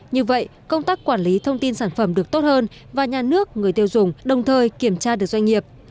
như vậy công tác quản lý thông tin sản phẩm được tốt hơn và nhà nước người tiêu dùng đồng thời kiểm tra được doanh nghiệp